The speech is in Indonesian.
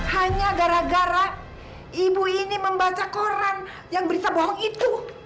hanya gara gara ibu ini membaca koran yang berita bohong itu